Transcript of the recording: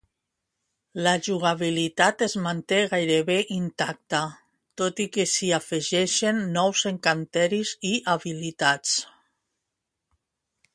La jugabilitat es manté gairebé intacta, tot i que s'hi afegeixen nous encanteris i habilitats.